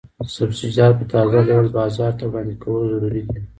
سبزیجات په تازه ډول بازار ته وړاندې کول ضروري دي.